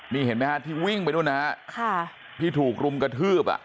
มีเห็นไม่ที่วิ่งไปที่ถูกกรุ่มกระทืบ